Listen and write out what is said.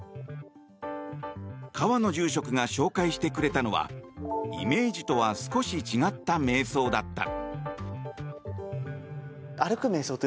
川野住職が紹介してくれたのはイメージとは少し違っためい想だった。